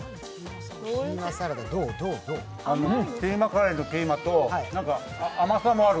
キーマカレーのキーマとなんか甘さもある。